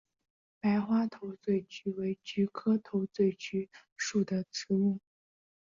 白花头嘴菊为菊科头嘴菊属的植物。